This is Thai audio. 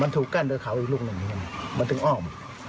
มันถูกกั้นโดยเขาอีกรุ่งหนึ่งมันถึงอ้อม